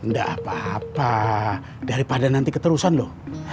nggak apa apa daripada nanti keterusan loh